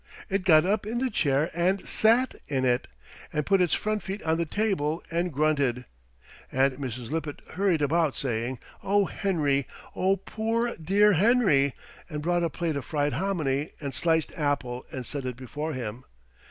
It got up in the chair and sat in it, and put its front feet on the table and grunted. And Mrs. Lippett hurried about saying, 'Oh, Henry! Oh, poor, dear Henry!' and brought a plate of fried hominy and sliced apple and set it before him.